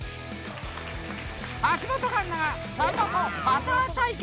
［橋本環奈がさんまとパター対決］